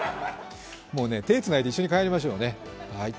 手をつないで一緒に帰りましょうね。